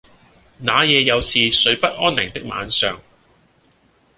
那夜又是睡不安寧的晚上